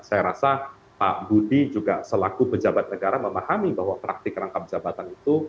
saya rasa pak budi juga selaku pejabat negara memahami bahwa praktik rangkap jabatan itu